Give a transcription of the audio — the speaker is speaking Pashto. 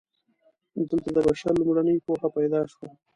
دلته د بشر لومړنۍ پوهه پیدا شوه.